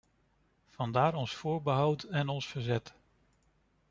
Vandaar ons voorbehoud en ons verzet.